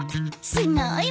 すごい。